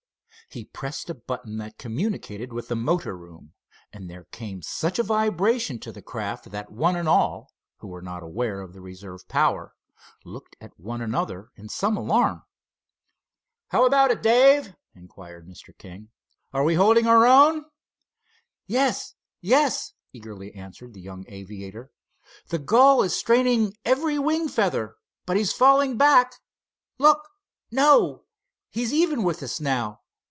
He pressed a button that communicated with the motor room, and there came such a vibration to the craft that one and all, who were not aware of the reserve power, looked at one another in some alarm. "How about it, Dave?" inquired Mr. King. "Are we holding our own?" "Yes! Yes!" eagerly answered the young aviator. "The gull is straining every wing feather, but he's falling back. Look, no he's even with us now!